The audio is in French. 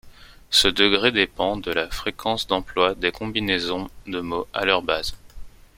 Ce degré dépend de la fréquence d’emploi des combinaisons de mots à leur base.